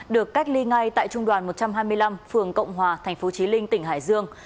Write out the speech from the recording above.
được cách ly ngay tại trung đoàn một trăm hai mươi năm phường cộng hòa tp chí linh tỉnh hải dương